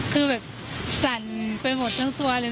คือแบบสั่นไปหมดทั้งตัวเลย